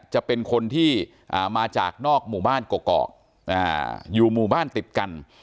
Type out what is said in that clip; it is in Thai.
จะเป็นคนที่มาจากนอกหมู่บ้านกกอกอยู่หมู่บ้านติดกัน